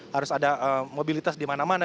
harus ada mobilitas di mana mana